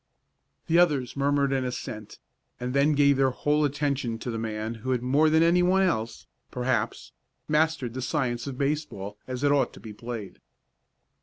The others murmured an assent, and then gave their whole attention to the man who had, more than anyone else, perhaps, mastered the science of baseball as it ought to be played.